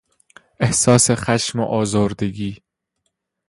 احساس خشم و آزردگی